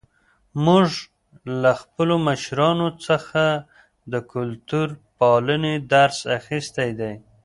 موږ له خپلو مشرانو څخه د کلتور پالنې درس اخیستی دی.